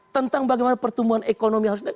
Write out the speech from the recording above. tentang bagaimana pertumbuhan ekonomi harus naik